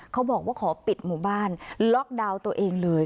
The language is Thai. เขาบอกว่าขอปิดหมู่บ้านล็อกดาวน์ตัวเองเลย